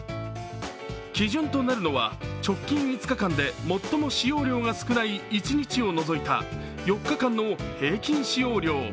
基準となるのは直近５日間で、最も使用量が少ない一日を除いた４日間の平均使用量。